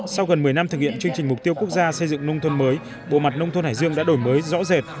sau gần một mươi năm thực hiện chương trình mục tiêu quốc gia xây dựng nông thôn mới bộ mặt nông thôn hải dương đã đổi mới rõ rệt